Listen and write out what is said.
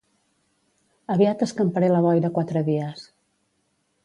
Aviat escamparé la boira quatre dies